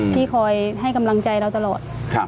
ที่คอยให้กำลังใจเราตลอด